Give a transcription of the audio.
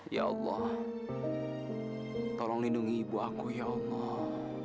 ya allah tolong lindungi ibu aku ya allah